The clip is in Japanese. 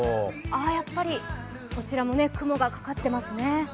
やはり、こちらも雲がかかっていますね。